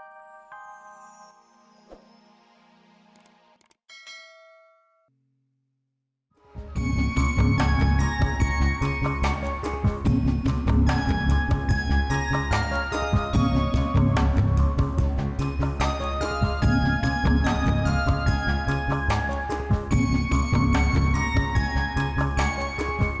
kan kayaknya berbahayacat